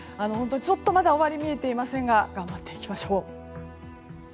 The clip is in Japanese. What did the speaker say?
まだ終わりが見えていませんが頑張っていきましょう。